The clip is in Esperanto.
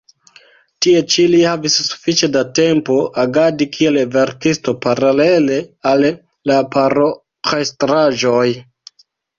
Tie ĉi li havis sufiĉe da tempo agadi kiel verkisto paralele al la paroĥestraĵoj.